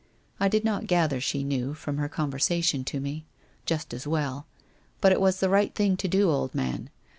I did not gather she knew, from her conversation to me. Just as well. But it was the right thing to do, old man.